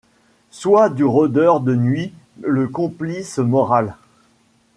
Soit du rôdeur de nuit le complice moral ?